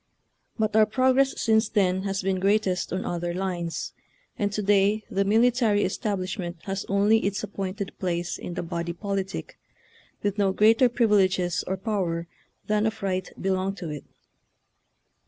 But our progress since then has been greatest on other lines, and to day the military establish ment has only its appointed place in the body politic, with no greater privileges or 896 HAEPEE'S NEW MONTHLY MAGAZINE. power than of right belong to it.